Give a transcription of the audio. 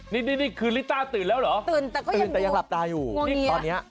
นี่นี่นี่คือลิต้าตื่นแล้วเหรอตื่นแต่ยังหลับตาอยู่ตอนนี้